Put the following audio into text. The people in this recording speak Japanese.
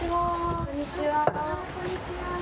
こんにちは。